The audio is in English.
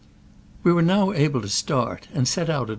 We were now able to start, and set out at 1.